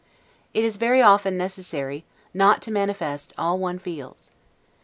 It is very often necessary, not to manifest all one feels.